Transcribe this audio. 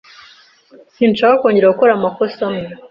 Sinshaka kongera gukora amakosa amwe.